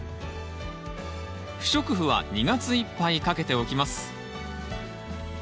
不織布は２月いっぱいかけておきます。